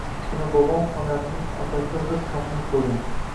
Kichkina bobom – onamning otasi g’irt kommunist bo’lgan.